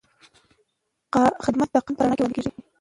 خدمت د قانون په رڼا کې وړاندې کېږي.